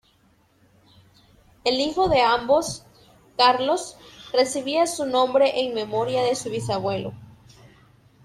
El hijo de ambos, Carlos, recibiría su nombre en memoria de su bisabuelo.